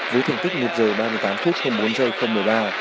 với thành tích một giờ ba mươi tám phút bốn giây một mươi ba